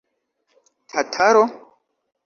Tataro?